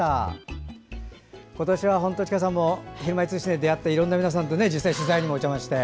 今年は本当、千佳さんも「ひるまえ通信」で出会ったいろんな皆さんに実際に取材にもお邪魔して。